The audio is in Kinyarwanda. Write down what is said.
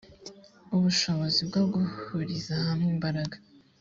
ubushobozi bwo guhuriza hamwe imbaraga